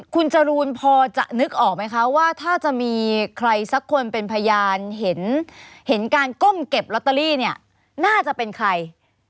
คุณจรูนพอจะนึกออกไหมคะว่าถ้าจะมีใครสักคนเป็นพยานเห็นการก้มเก็บลอตเตอรี่เนี่ยน่าจะเป็นใคร